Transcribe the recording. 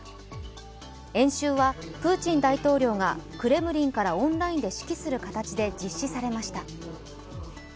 演習は、プーチン大統領がクレムリンからオンラインで指揮する形で実施されました。